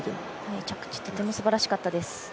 着地とてもすばらしかったです。